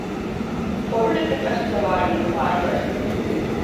பொருளுக்குத் தகுந்தவாறு இது மாறுபடும்.